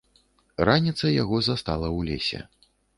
Раніца яго застала ў лесе.